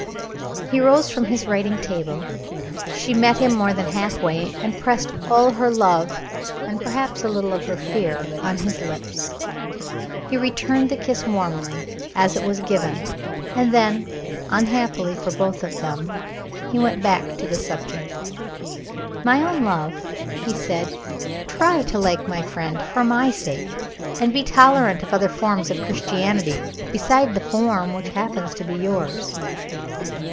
He rose from his writing table. She met him more than half way, and pressed all her love and perhaps a little of her fear on his lips. He returned the kiss as warmly as it was given; and then, unhappily for both of them, he went back to the subject. "My own love," he said, "try to like my friend for my sake; and be tolerant of other forms of Christianity besides the form which happens to be yours."